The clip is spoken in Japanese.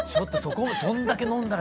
そんだけ飲んだら。